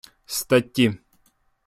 Статті